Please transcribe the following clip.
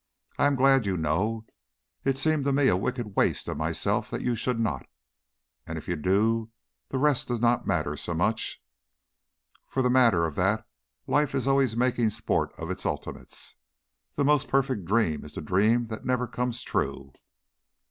"I am glad you know. It seemed to me a wicked waste of myself that you should not. And if you do the rest does not matter so much. For the matter of that, life is always making sport of its ultimates. The most perfect dream is the dream that never comes true."